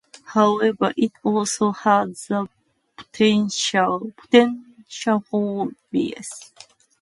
However, it also has the potential for bias, misinformation, and shallow reporting.